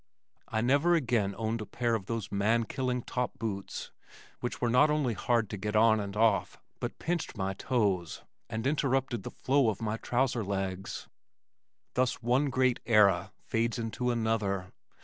I never again owned a pair of those man killing top boots which were not only hard to get on and off but pinched my toes, and interrupted the flow of my trouser legs. Thus one great era fades into another.